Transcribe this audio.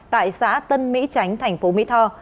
tại xã tân mỹ chánh tp mỹ tho